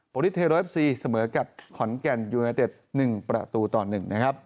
ริสเทโรฟซีเสมอกับขอนแก่นยูเนเต็ด๑ประตูต่อ๑นะครับ